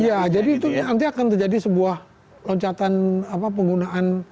iya jadi itu nanti akan terjadi sebuah loncatan penggunaan